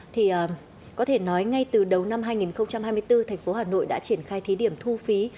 thì có thể nói ngay từ đầu năm hai nghìn hai mươi bốn thành phố hà nội đã triển khai thí điểm thu phí